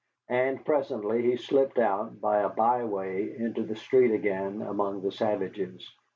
And presently he slipped out by a byway into the street again, among the savages.